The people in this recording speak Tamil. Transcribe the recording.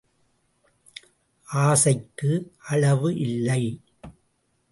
ஆசைக்கு அளவு இல்லை.